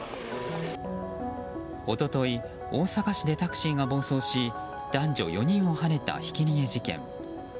一昨日大阪市でタクシーが暴走し男女４人をはねた、ひき逃げ事件。